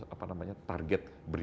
apa namanya target ke keadaan indonesia